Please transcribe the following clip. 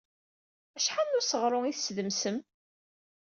Acḥal n useṛɣu i tessdemsem?